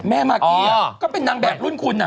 แม่มากี้อ่ะก็เป็นนางแบบรุ่นคุณอ่ะ